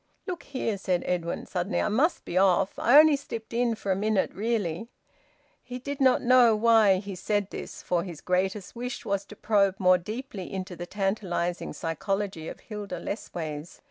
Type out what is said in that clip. "Look here," said Edwin suddenly, "I must be off. I only slipped in for a minute, really." He did not know why he said this, for his greatest wish was to probe more deeply into the tantalising psychology of Hilda Lessways.